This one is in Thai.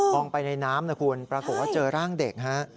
องไปในน้ำนะคุณปรากฏว่าเจอร่างเด็กฮะ